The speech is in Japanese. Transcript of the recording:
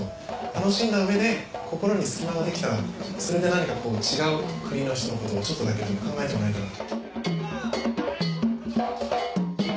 楽しんだ上で心に隙間ができたらそれで何かこう違う国の人のことをちょっとだけでも考えてもらえたら。